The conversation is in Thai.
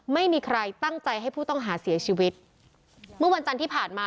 ไม่มีใครตั้งใจให้ผู้ต้องหาเสียชีวิตเมื่อวันจันทร์ที่ผ่านมา